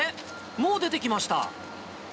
もう出てきました。